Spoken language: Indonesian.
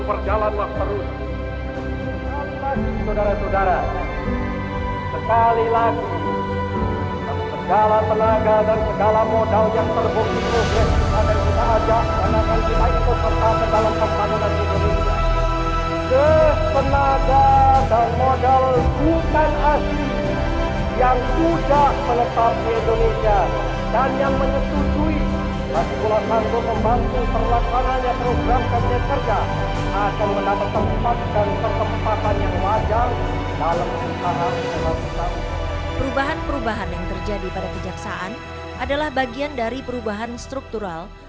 perubahan perubahan yang terjadi pada kejaksaan adalah bagian dari perubahan struktural